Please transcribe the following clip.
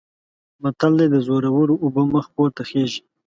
متل دی: د زورو اوبه مخ پورته خیژي.